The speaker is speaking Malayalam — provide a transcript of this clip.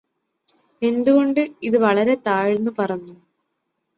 എന്തുകൊണ്ട് ഇത് വളരെ താഴ്ന്ന് പറന്നു